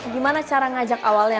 gimana cara ngajak awalnya